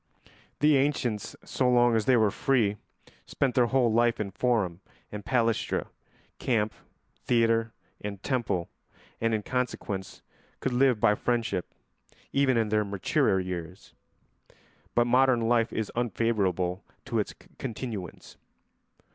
The ancients, so long as they were free, spent their whole life in forum and palæstra, camp, theatre, and temple, and in consequence could live by friendship even in their maturer years; but modern life is unfavourable to its continuance.